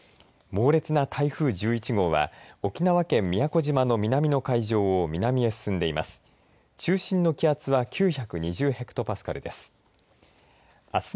猛烈な台風１１号は沖縄県宮古島の南の海上を南へ進んでいます。